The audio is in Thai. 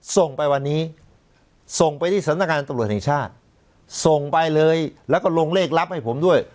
ส่งไปวันนี้ส่งไปที่สำนักงานตำรวจแห่งชาติส่งไปเลยแล้วก็ลงเลขลับให้ผมด้วย